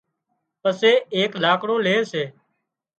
پسي ايڪ لاڪڙون لي سي